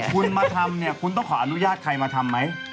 คุณมาทำเนี่ยคุณต้องขออนุญาตใครมาทำไหม